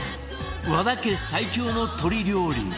和田家最強の鶏料理